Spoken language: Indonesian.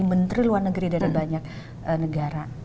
menteri luar negeri dari banyak negara